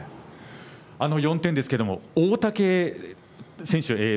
あの４点ですけれども大竹選手